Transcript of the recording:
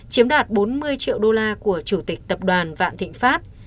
chiếm đoạt bốn mươi triệu đô la của chủ tịch tập đoàn vạn thịnh pháp